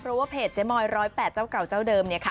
เพราะว่าเพจเจ๊มอย๑๐๘เจ้าเก่าเจ้าเดิม